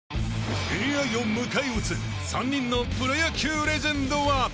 ［ＡＩを迎え撃つ３人のプロ野球レジェンドは］